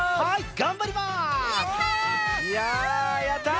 はい。